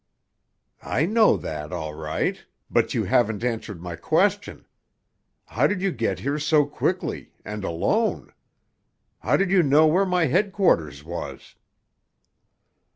"I know that, all right, but you haven't answered my question—how did you get here so quickly, and alone? How did you know where my headquarters was?"